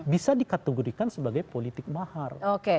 bisa dikategorikan sebagai politik mahar